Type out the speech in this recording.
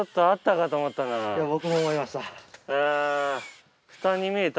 ・僕も思いました。